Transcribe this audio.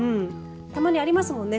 たまにありますよね。